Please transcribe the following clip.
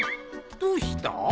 どうした？